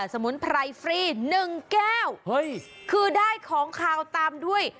สมุนไพรฟรีหนึ่งแก้วเฮ้ยคือได้ของขาวตามด้วย